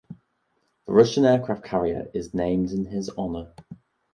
The Russian aircraft carrier is named in his honor.